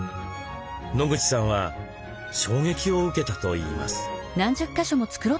野口さんは衝撃を受けたといいます。